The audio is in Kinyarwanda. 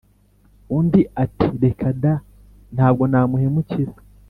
Undi ati « reka da, Ntabwo namuhemukira. »